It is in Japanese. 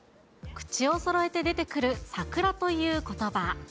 口をそろえて出てくる桜ということば。